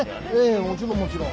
もちろんもちろん。